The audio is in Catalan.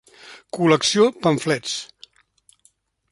Col·lecció Pamflets.